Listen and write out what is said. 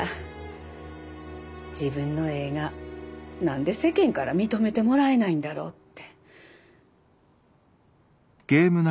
自分の絵が何で世間から認めてもらえないんだろうって。